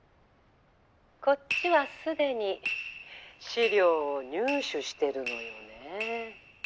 こっちはすでに資料を入手してるのよねえ。